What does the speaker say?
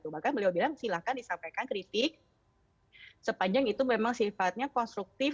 bahkan beliau bilang silahkan disampaikan kritik sepanjang itu memang sifatnya konstruktif